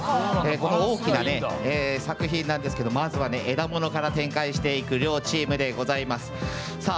この大きな作品なんですけどまずは枝物から展開していく両チームです。